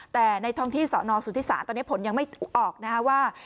แต่ในท้องที่สนสุธิศาสตอนนี้ผลยังไม่ออกนะฮะว่า